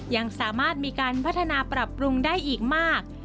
ยังสามารถมีการพัฒนาปรับปรุงได้อีกมาก